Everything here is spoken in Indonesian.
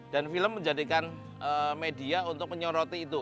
dan film menjadikan media untuk menyoroti itu